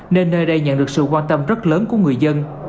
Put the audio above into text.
nên nơi đây nhận được sự quan tâm rất lớn của người dân